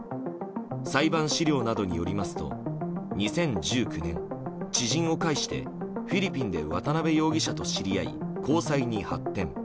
裁判資料などによりますと２０１９年知人を介して、フィリピンで渡辺容疑者と知り合い交際に発展。